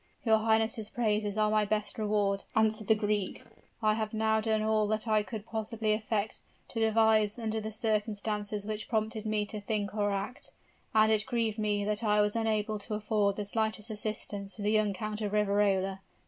"Your highness' praises are my best reward," answered the Greek. "I have now done all that I could possibly effect or devise under the circumstances which prompted me to think or act; and it grieved me that I was unable to afford the slightest assistance to the young Count of Riverola.